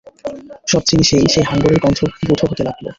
সব জিনিষেই সেই হাঙ্গরের গন্ধ বোধ হতে লাগল।